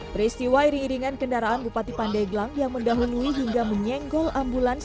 peristiwa iring iringan kendaraan bupati pandeglang yang mendahului hingga menyenggol ambulans